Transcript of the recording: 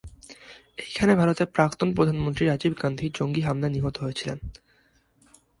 এইখানে ভারতের প্রাক্তন প্রধানমন্ত্রী রাজীব গান্ধী জঙ্গি হামলায় নিহত হয়েছিলেন।